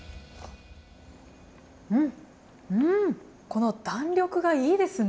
うん、この弾力がいいですね。